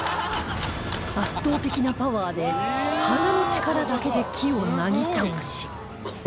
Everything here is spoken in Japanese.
圧倒的なパワーで鼻の力だけで木をなぎ倒し